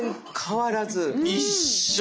一緒。